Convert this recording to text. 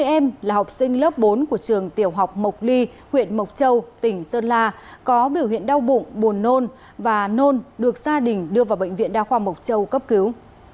một mươi em là học sinh lớp bốn của trường tiểu học mộc ly huyện mộc châu tỉnh sơn la có biểu hiện đau bụng buồn nôn và nôn được gia đình đưa vào bệnh viện đa khoa mộc châu cấp cứu